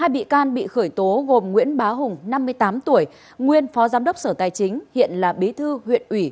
hai bị can bị khởi tố gồm nguyễn bá hùng năm mươi tám tuổi nguyên phó giám đốc sở tài chính hiện là bí thư huyện ủy